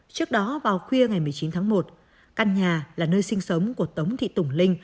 trước đó vào khuya ngày một mươi chín tháng một căn nhà là nơi sinh sống của tống thị tùng linh